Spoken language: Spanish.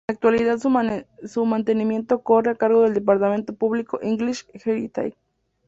En la actualidad su mantenimiento corre a cargo del departamento público English Heritage.